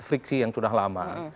friksi yang sudah lama